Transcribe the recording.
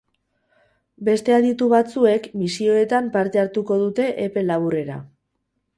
Beste aditu batzuek misioetan parte hartuko dute epe laburrera.